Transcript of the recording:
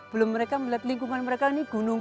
belum mereka melihat lingkungan mereka ini gunung